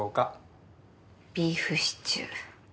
ビーフシチュー。